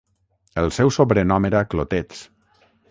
El seu sobrenom era "Clotets".